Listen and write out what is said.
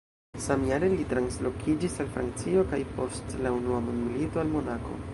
Samjare li translokiĝis al Francio kaj post la Unua Mondmilito al Monako.